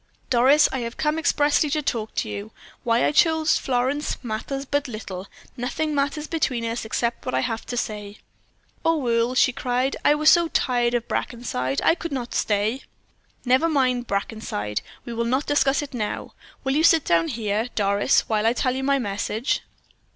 "Doris, I have come expressly to talk to you. Why I chose Florence matters but little; nothing matters between us except what I have to say." "Oh, Earle," she cried, "I was so tired of Brackenside. I could not stay." "Never mind Brackenside. We will not discuss it now. Will you sit down here, Doris, while I tell you my message?"